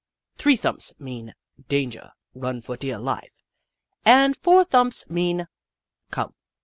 Three thumps mean " danger — run for dear life," and four thumps mean " come."